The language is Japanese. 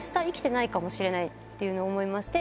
っていうのを思いまして。